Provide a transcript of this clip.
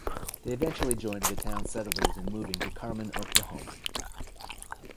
They eventually joined the town's settlers in moving to Carmen, Oklahoma.